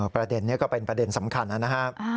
ประเด็นนี้ก็เป็นประเด็นสำคัญนะครับ